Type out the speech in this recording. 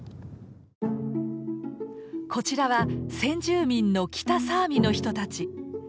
こちらは先住民の北サーミの人たち。